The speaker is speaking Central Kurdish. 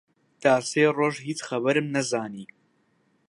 تا سێ ڕۆژ هیچ خەبەرم نەزانی